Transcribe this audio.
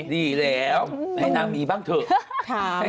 ดีแล้วให้นางมีบ้างเถอะ